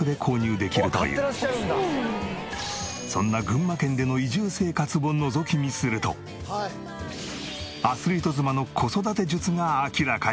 そんな群馬県での移住生活をのぞき見するとアスリート妻の子育て術が明らかに！